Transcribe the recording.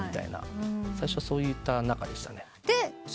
最初はそういった仲でしたね。